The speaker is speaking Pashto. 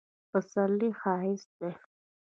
پسرلی ښایسته ده